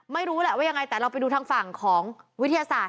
ไม่รู้แหละว่ายังไงแต่เราไปดูทางฝั่งของวิทยาศาสต